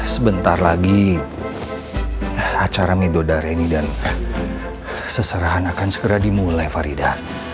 sebentar lagi acara midodare ini dan seserahan akan segera dimulai farida